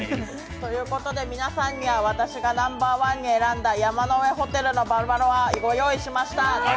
ということで皆さんには私がナンバーワンに選んだ山の上ホテルのババロア、ご用意しました。